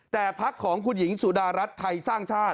แต่พักของคุณหญิงสุดารัฐไทยสร้างชาติ